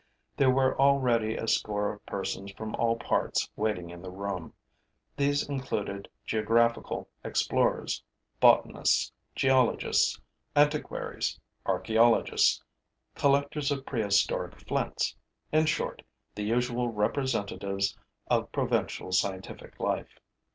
There were already a score of persons from all parts waiting in the room. These included geographical explorers, botanists, geologists, antiquaries, archeologists, collectors of prehistoric flints, in short, the usual representatives of provincial scientific life.